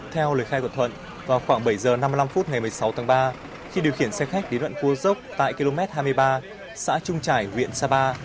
theo lời khai của thuận vào khoảng bảy h năm mươi năm phút ngày một mươi sáu tháng ba khi điều khiển xe khách đến đoạn cua dốc tại km hai mươi ba xã trung trải huyện sapa